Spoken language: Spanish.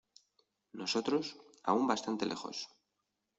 nosotros, aún bastante lejos